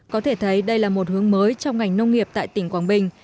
có thể thấy đây là một hướng mới trong ngành nông nghiệp tại tỉnh quảng bình